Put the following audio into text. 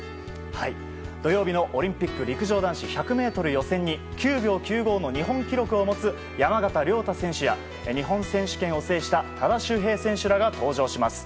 土曜日のオリンピック陸上男子１００ｍ予選に９秒９５の日本記録を持つ山縣亮太選手や日本選手権を制した多田修平選手らが登場します。